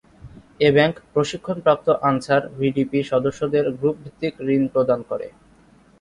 এ bank প্রশিক্ষণপ্রাপ্ত আনসার-ভিডিপি সদস্যদের গ্রুপভিত্তিক ঋণ প্রদান করে।